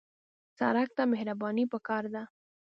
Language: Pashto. سړک ته مهرباني پکار ده.